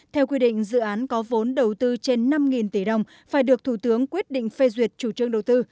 theo quy định dự án có vốn đầu tư trên năm tỷ đồng phải được thủ tướng quyết định phê duyệt chủ trương đầu tư